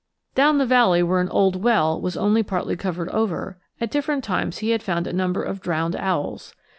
Down the valley, where an old well was only partly covered over, at different times he had found a number of drowned owls.